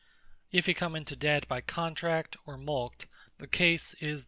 If he come into debt by Contract, or Mulct, the case is the same.